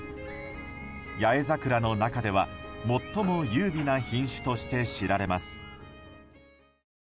八重桜の中では、最も優美な品種として知られます。